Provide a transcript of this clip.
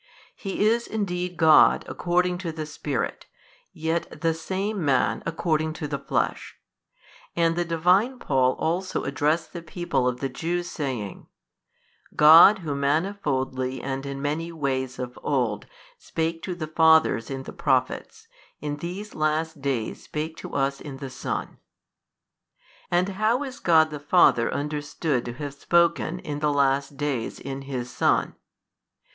He is indeed God according to the Spirit, yet the Same Man according to the flesh 17. And the Divine Paul also addressed the people of the Jews saying, God Who manifoldly and in many ways of old spake to the fathers in the prophets, in these last days spake to us in the Son. And how is God the Father understood to have spoken in the last days in His Son?